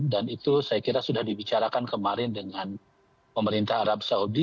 dan itu saya kira sudah dibicarakan kemarin dengan pemerintah arab saudi